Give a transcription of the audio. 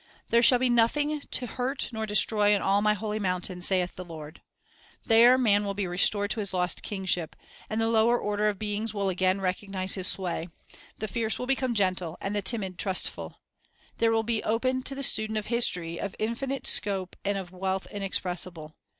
1 There shall be nothing to " hurt nor destroy in all The Kinship M y hol mount ain, saith the Lord." 2 There man will Restored J J be restored to his lost kingship, and the lower order of beings will again recognize his sway; the fierce will become gentle, and the timid trustful. There will be open to the student history of infi nite scope and of wealth inexpressible.